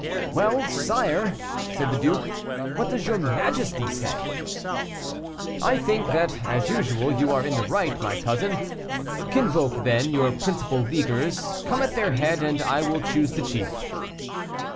"Well, sire!" said the duke, "what does your majesty say?" "I think that, as usual, you are in the right, my cousin; convoke, then, your principal leaguers, come at their head, and I will choose the chief."